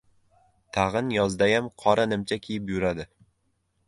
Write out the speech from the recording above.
Tag‘in yozdayam qora nimcha kiyib yuradi.